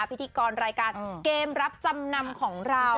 พิธีกรรายการเกมรับจำนำของเรา